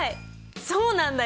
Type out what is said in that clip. そうなんだよ！